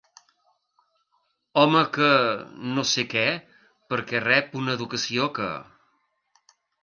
Home que, no sé que, perquè rep una educació que.